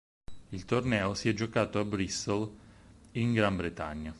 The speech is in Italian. Il torneo si è giocato a Bristol in Gran Bretagna.